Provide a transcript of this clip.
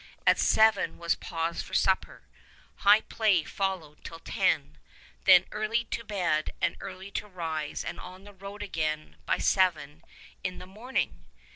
At seven was pause for supper. High play followed till ten. Then early to bed and early to rise and on the road again by seven in the morning!